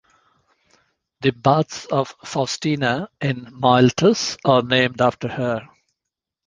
The Baths of Faustina in Miletus are named after her.